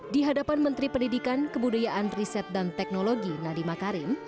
di hadapan menteri pendidikan kebudayaan riset dan teknologi nadiem akarim